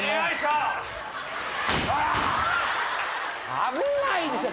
危ないでしょ。